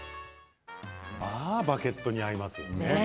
バゲットに合いますよね。